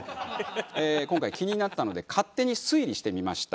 今回気になったので勝手に推理してみました。